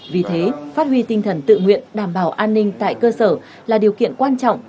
vì thế phát huy tinh thần tự nguyện đảm bảo an ninh tại cơ sở là điều kiện quan trọng